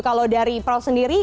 kalau dari prof sendiri